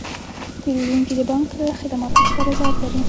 پیرودونکي د بانک له خدماتو څخه رضایت لري.